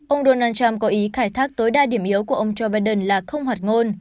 ông donald trump có ý khai thác tối đa điểm yếu của ông joe biden là không hoạt ngôn